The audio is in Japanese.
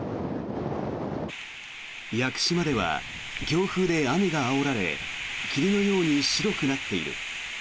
屋久島では強風で雨があおられ霧のように白くなっている。